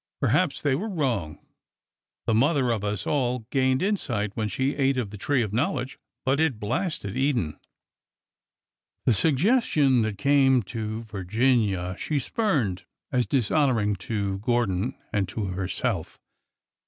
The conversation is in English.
Per haps they were wrong. The mother of us all gained in sight when she ate of the Tree of Knowledge,— but it blasted Eden 1 The suggestion that came to Virginia she spurned as dishonoring to Gordon and to herself.